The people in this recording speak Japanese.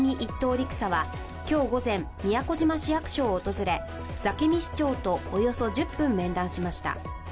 陸佐は、今日午前、宮古島市役所を訪れ、座喜味市長とおよそ１０分、面談しました。